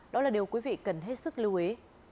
đó là điều quý vị cần hết sức lưu ý